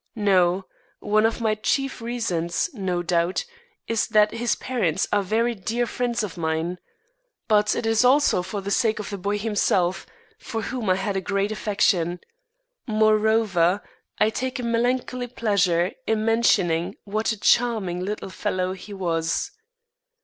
No; one of my chief reasons, no doubt, is that his parents are very dear friends of mine. But it is also for the sake of the boy himself, for whom I had a great affection; moreover, I take a melancholy pleasure in mentioning what a charming little fellow he was.